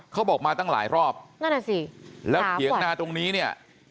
เขาบอกมาตั้งหลายรอบนั่นน่ะสิแล้วเถียงนาตรงนี้เนี่ย